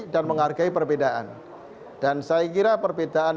dan menghargai perbedaan dan saya kira perbedaan